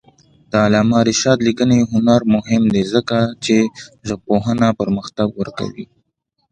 د علامه رشاد لیکنی هنر مهم دی ځکه چې ژبپوهنه پرمختګ ورکوي.